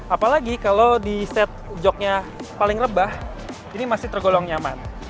apalagi kalau di set jognya paling rebah ini masih tergolong nyaman